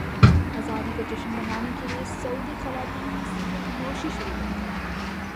ازادی کا جشن منانے کے لیے سعودی خواتین نے سگریٹ نوشی شروع کردی